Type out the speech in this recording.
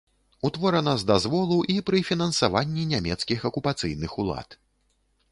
Утворана з дазволу і пры фінансаванні нямецкіх акупацыйных улад.